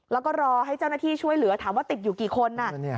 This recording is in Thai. แล้วก็รอให้เจ้าหน้าที่ช่วยเหลือถามว่าติดอยู่กี่คน